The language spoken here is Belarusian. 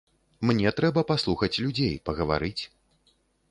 Мне трэба паслухаць людзей, пагаварыць.